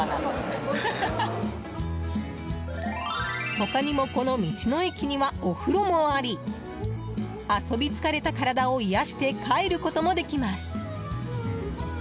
他にも、この道の駅にはお風呂もあり遊び疲れた体を癒やして帰ることもできます。